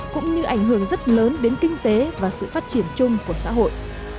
cũng như ảnh hưởng rất lớn đến kinh tế và sự phát triển chung của xã hội